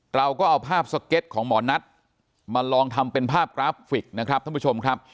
เราก็เอาภาพสเก็ตของหมอนัทมาลองทำเป็นภาพกราฟิกนะครับท่านผู้ชมครับ